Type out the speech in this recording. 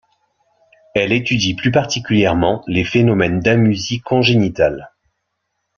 Elle étudie plus particulièrement les phénomènes d’amusie congénitale.